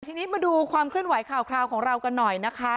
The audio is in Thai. ทีนี้มาดูความเคลื่อนไหวข่าวคราวของเรากันหน่อยนะคะ